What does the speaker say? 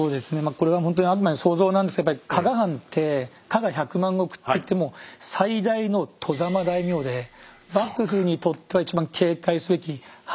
これはほんとにあくまでも想像なんですけどやっぱり加賀藩って加賀百万石って言ってもう最大の外様大名で幕府にとっては一番警戒すべき藩ですよね。